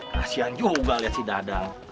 kasian juga lihat si dada